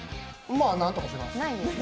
まあ、なんとかします。